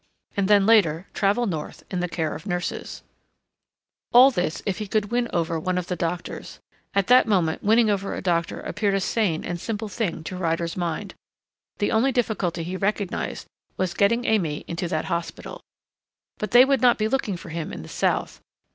And then later travel north, in the care of nurses All this, if he could win over one of the doctors. At that moment winning over a doctor appeared a sane and simple thing to Ryder's mind. The only difficulty he recognized was getting Aimée into that hospital. But they would not be looking for him in the south.